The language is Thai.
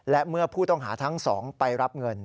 และเมื่อผู้ต้องหาทั้งสองไปรับเงิน